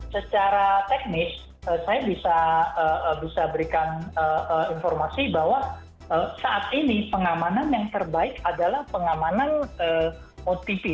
secara teknis saya bisa berikan informasi bahwa saat ini pengamanan yang terbaik adalah pengamanan otp